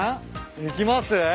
行きます？